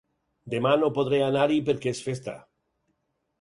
Demà no podré anar-hi perquè és festa.